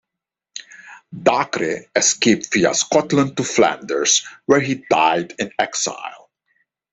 Dacre escaped via Scotland to Flanders, where he died in exile.